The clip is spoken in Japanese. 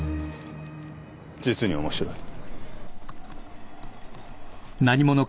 実に面白い。